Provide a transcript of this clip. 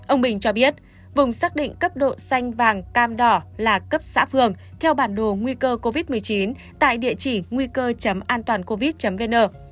ông bình cho biết vùng xác định cấp độ xanh vàng cam đỏ là cấp xã phường theo bản đồ nguy cơ covid một mươi chín tại địa chỉ nguy cơ an toàn covid vn